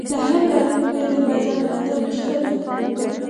له هر لاروي به د بازار پته پوښتله.